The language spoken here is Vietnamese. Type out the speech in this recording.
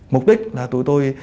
mục đích là tụi tôi